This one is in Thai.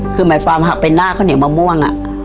คือหมายความหักเป็นหน้าข้าวเหนียวมะม่วง